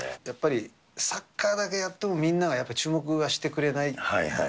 やっぱりサッカーだけやってもみんながやっぱり、注目はしてくれない。